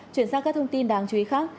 chuyển sang các thông tin đáng chú ý khác